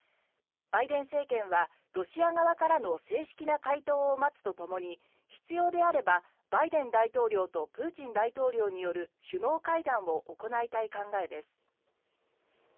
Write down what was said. バイデン政権はロシア側からの正式な回答を待つとともに必要であればバイデン大統領とプーチン大統領による首脳会談を行いたい考えです。